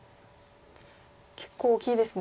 結構大きいですね。